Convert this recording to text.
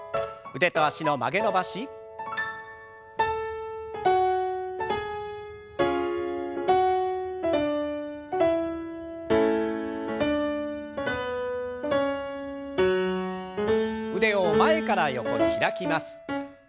腕を前から横に開きます。